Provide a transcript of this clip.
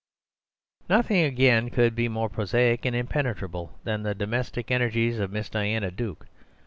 Nothing, again, could be more prosaic and impenetrable than the domestic energies of Miss Diana Duke.